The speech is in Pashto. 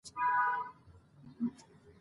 که ډریور هوښیار وي نو ټکر نه کیږي.